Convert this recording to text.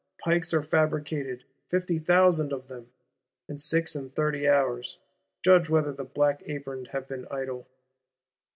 Pikes are fabricated; fifty thousand of them, in six and thirty hours: judge whether the Black aproned have been idle.